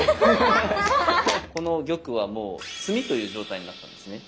この玉はもう「詰み」という状態になったんですね。